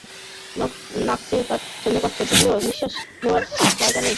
নাক চেপে ধরে শ্রেণিকক্ষে ঢুকলেও নিঃশ্বাস নেওয়া যায় না, বমি হয়।